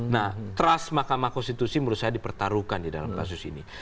nah trust mahkamah konstitusi menurut saya dipertaruhkan di dalam kasus ini